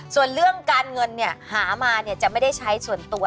ส่วนเรื่องการเงินหามาจะไม่ได้ใช้ส่วนตัว